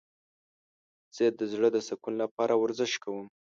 زه د زړه د سکون لپاره ورزش کوم.